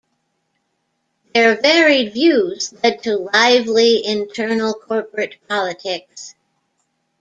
Their varied views led to lively internal corporate politics.